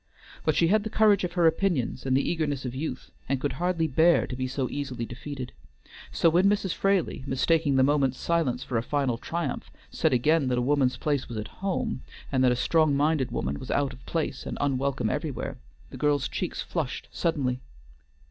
But she had the courage of her opinions, and the eagerness of youth, and could hardly bear to be so easily defeated. So when Mrs. Fraley, mistaking the moment's silence for a final triumph, said again, that a woman's place was at home, and that a strong minded woman was out of place, and unwelcome everywhere, the girl's cheeks flushed suddenly.